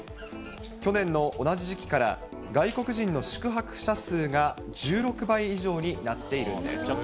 去年の同じ時期から、外国人の宿泊者数が１６倍以上になっているんです。